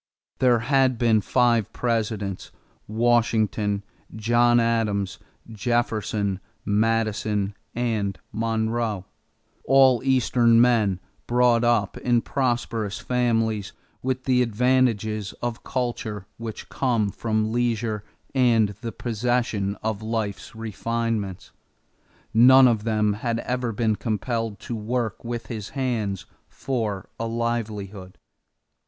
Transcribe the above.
There had been five Presidents Washington, John Adams, Jefferson, Madison, and Monroe all Eastern men brought up in prosperous families with the advantages of culture which come from leisure and the possession of life's refinements. None of them had ever been compelled to work with his hands for a livelihood.